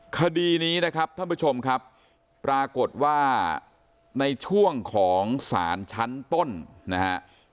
คดีนี้นะครับท่านผู้ชมครับปรากฏว่าในช่วงของสารชั้นต้นนะฮะ